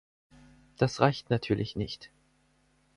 Das reicht natürlich nicht.